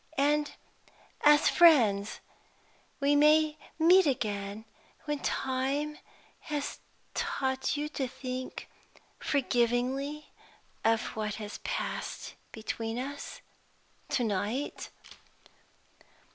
"And as friends we may meet again, when time has taught you to think forgivingly of what has passed between us, to night."